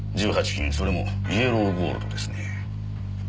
金それもイエローゴールドですね。